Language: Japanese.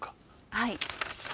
はい。